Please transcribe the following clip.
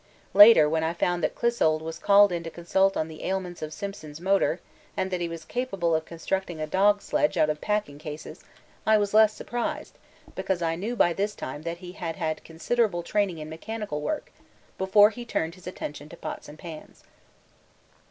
Later when I found that Clissold was called in to consult on the ailments of Simpson's motor and that he was capable of constructing a dog sledge out of packing cases, I was less surprised, because I knew by this time that he had had considerable training in mechanical work before he turned his attention to pots and pans.